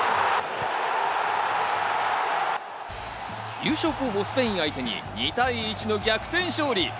優勝候補・スペイン相手に２対１の逆転勝利。